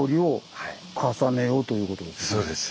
そうです。